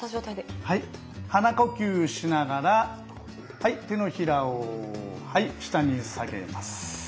鼻呼吸しながら手のひらを下に下げます。